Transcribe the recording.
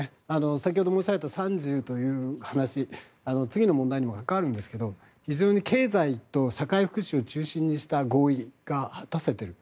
先ほど申し上げた３０という話次の問題にも関わるんですが非常に経済と社会福祉を中心にした合意が果たせていると。